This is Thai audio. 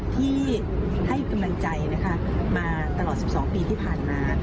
ที่ให้กำลังใจนะคะมาตลอด๑๒ปีที่ผ่านมา